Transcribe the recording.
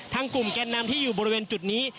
กลุ่มแกนนำที่อยู่บริเวณจุดนี้